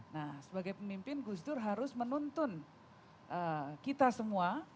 nah sebagai pemimpin gus dur harus menuntun kita semua